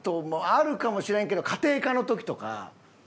あるかもしれんけど家庭科の時とか。